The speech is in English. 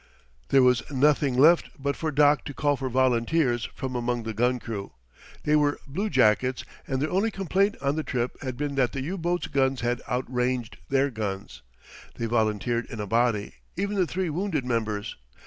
There was nothing left but for Doc to call for volunteers from among the gun crew. They were bluejackets, and their only complaint on the trip had been that the U boat's guns had outranged their guns. They volunteered in a body even the three wounded members.